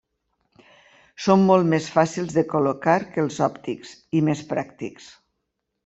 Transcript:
Són molt més fàcils de col·locar que els òptics, i més pràctics.